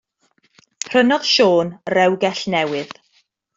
Prynodd Siôn rewgell newydd.